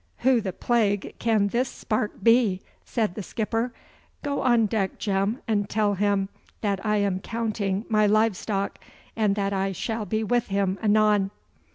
'Who the plague can this spark be?' said the skipper. 'Go on deck, Jem, and tell him that I am counting my live stock, and that I shall be with him anon.